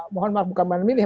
mohon maaf bukan memilih